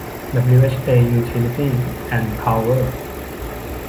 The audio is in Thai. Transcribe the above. ดับบลิวเอชเอ ยูทิลิตี้ส์ แอนด์ พาวเวอร์